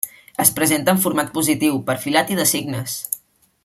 Es presenta en format positiu, perfilat i de signes.